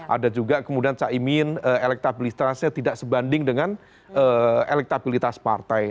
ada juga kemudian caimin elektabilitasnya tidak sebanding dengan elektabilitas partai